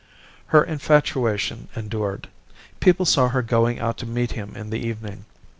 "Her infatuation endured. People saw her going out to meet him in the evening.